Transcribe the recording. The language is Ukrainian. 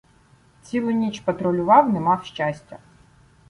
Цілу ніч патрулював — не мав щастя.